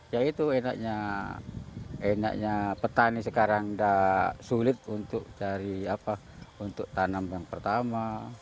ya itu enaknya petani sekarang sudah sulit untuk cari tanam yang pertama